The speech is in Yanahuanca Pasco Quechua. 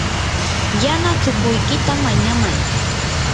yana chukuykita mañamay.